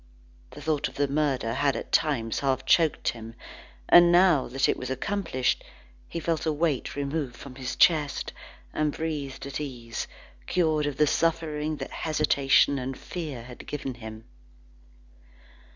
The thought of the murder had at times half choked him, but now that it was accomplished, he felt a weight removed from his chest, and breathed at ease, cured of the suffering that hesitation and fear had given him.